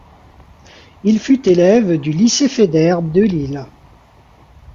Il fut élève du lycée Faidherbe de Lille.